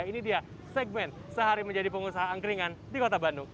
ini dia segmen sehari menjadi pengusaha angkringan di kota bandung